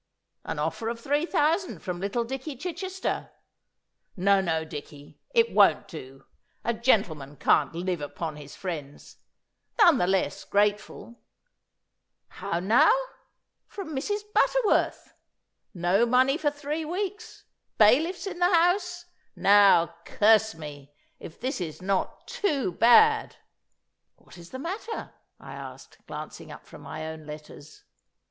An offer of three thousand from little Dicky Chichester. No, no, Dicky, it won't do. A gentleman can't live upon his friends. None the less grateful. How now? From Mrs. Butterworth! No money for three weeks! Bailiffs in the house! Now, curse me, if this is not too bad!' 'What is the matter?' I asked, glancing up from my own letters.